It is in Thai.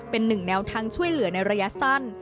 เป็นหนึ่งแนวทางช่วยเหลือในระยะสั้น